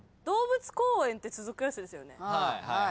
動物公園って続くやつですよね。